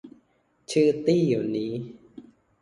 ชื่อตี้วันนี้